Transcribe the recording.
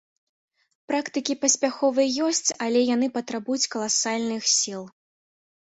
Практыкі паспяховыя ёсць, але яны патрабуюць каласальных сіл.